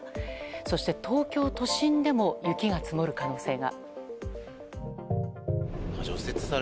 そして、東京都心でも雪が積もる可能性が。